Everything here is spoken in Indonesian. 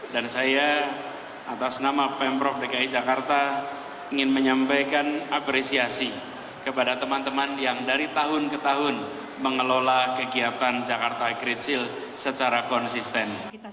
dan saya atas nama pemprov dki jakarta ingin menyampaikan apresiasi kepada teman teman yang dari tahun ke tahun mengelola kegiatan jakarta great sale secara konsisten